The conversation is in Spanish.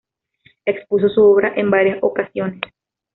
Expuso su obra en varias ocasiones.